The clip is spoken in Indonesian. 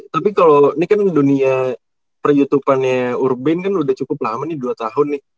tapi kalau ini kan dunia peryutupannya urbane kan udah cukup lama nih dua tahun